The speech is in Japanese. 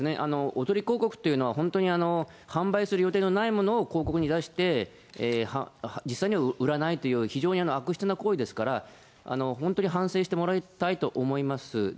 おとり広告というのは、本当に、販売する予定のないものを広告に出して、実際には売らないという非常に悪質な行為ですから、本当に反省してもらいたいと思います。